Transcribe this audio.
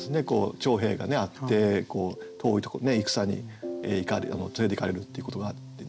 徴兵があって遠いところ戦に連れていかれるっていうことがあってね。